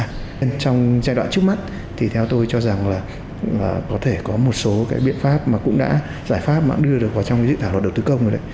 trong giai đoạn trước mắt thì theo tôi cho rằng là có thể có một số cái biện pháp mà cũng đã giải pháp mà cũng đưa được vào trong cái dự tả luật đầu tư công rồi đấy